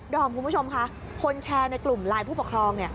อมคุณผู้ชมค่ะคนแชร์ในกลุ่มไลน์ผู้ปกครอง